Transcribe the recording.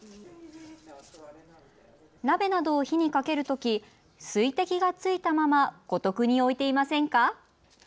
鍋などを火にかけるとき水滴がついたままごとくに置いていませんか。